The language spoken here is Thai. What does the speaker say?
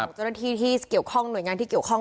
เจ้าหน้าที่ที่เกี่ยวข้องหน่วยงานที่เกี่ยวข้อง